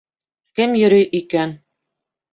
Кем йөрөй икән?